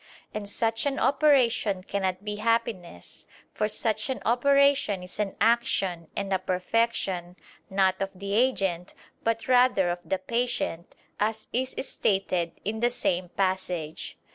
And such an operation cannot be happiness: for such an operation is an action and a perfection, not of the agent, but rather of the patient, as is stated in the same passage.